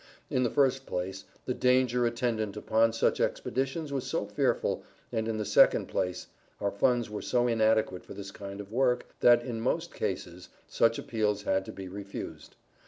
In the first place, the danger attendant upon such expeditions was so fearful, and in the second place, our funds were so inadequate for this kind of work, that, in most cases, such appeals had to be refused.